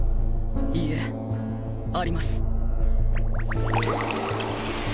いいえあります